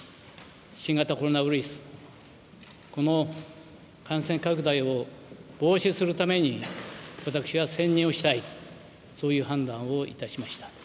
新型コロナウイルス、この感染拡大を防止するために、私は専任をしたい、そういう判断をいたしました。